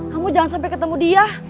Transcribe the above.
kamu jangan sampai ketemu dia